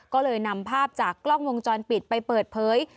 ก็เลยนำภาพจากกล้องวงจรปิดไปเปิดเผย